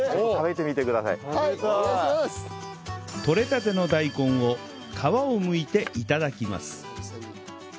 とれたての大根を皮をむいて頂きます